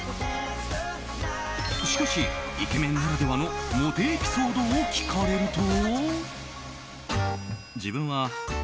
しかしイケメンならではのモテエピソードを聞かれると。